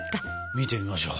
見てみましょう。